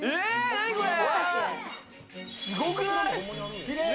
何これ！